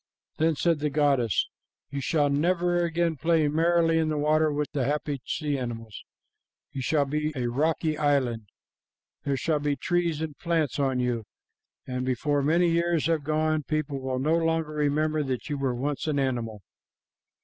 Then said the goddess, 'You shall never again play merrily in the water with the happy sea animals. You shall be a rocky island. There shall be trees and plants on you, and before many years have gone, people will no longer remember that you were once an animal.'